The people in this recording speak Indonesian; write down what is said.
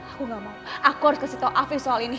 aku gak mau aku harus kasih tahu afi soal ini